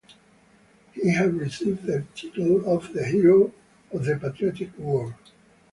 He had received the title of the Hero of the Patriotic War.